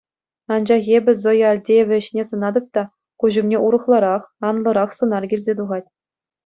Анчах эпӗ Зоя Альдеева ӗҫне сӑнатӑп та, куҫ умне урӑхларах, анлӑрах сӑнар килсе тухать.